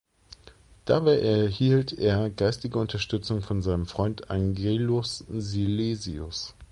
Dabei erhielt er geistige Unterstützung von seinem Freund Angelus Silesius.